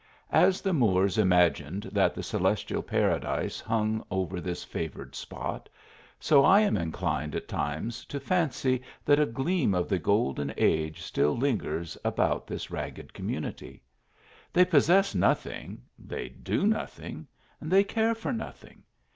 As the Moors imagined that the celestial paradise hung over this favoured spot, so I am inclined, at times, to fancy that a gleam of the golden age still lingers about this ragged community. They possess noth ing, they do nothing, they care for nothing.